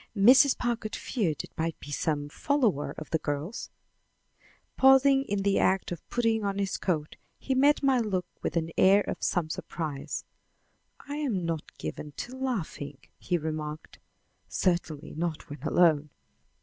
Mrs. Packard feared it might be some follower of the girls'." Pausing in the act of putting on his coat, he met my look with an air of some surprise. "I am not given to laughing," he remarked; "certainly not when alone."